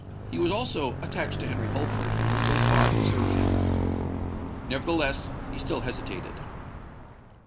He was also attached to Henry Holford, and would go far to serve him. Nevertheless, he still hesitated.